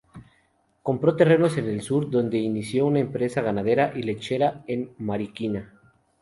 Compró terrenos en el sur, donde inició una empresa ganadera y lechera, en Mariquina.